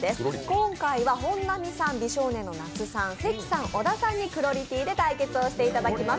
今回は本並さん、美少年の那須さん関さん、小田さんにクロリティーで対決をしていただきます。